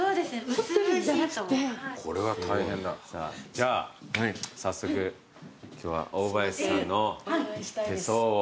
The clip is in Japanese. じゃ早速今日は大林さんの手相を。